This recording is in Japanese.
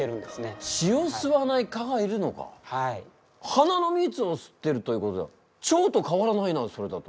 花の蜜を吸っているということはチョウと変わらないなそれだと。